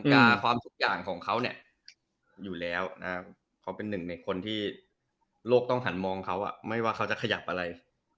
แต่ความสุขของเขาอยู่แล้วเขาเป็นหนึ่งในคนที่โลกต้องถันมองเขาไม่ว่าเขาจะขยับอะไร